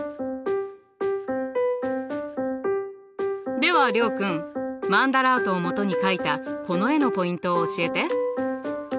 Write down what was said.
では諒君マンダラートをもとに描いたこの絵のポイントを教えて。